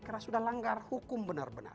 karena sudah langgar hukum benar benar